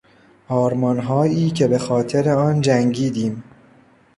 آرمانهایی که به خاطر آن جنگیدیم.